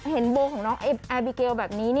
เห็นโบของน้องแอร์บิเกลแบบนี้